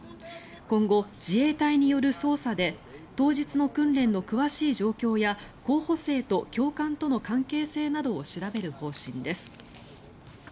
今後、自衛隊による捜査で当日の訓練の詳しい状況や候補生と教官との関係性などを調べる方針です。